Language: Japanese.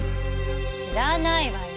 知らないわよ。